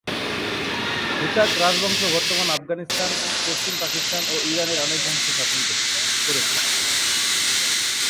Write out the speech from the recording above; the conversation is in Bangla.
হুতাক রাজবংশ বর্তমান আফগানিস্তান, পশ্চিম পাকিস্তান ও ইরানের অনেকাংশ শাসন করেছে।